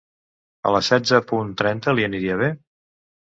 A les setze punt trenta li aniria bé?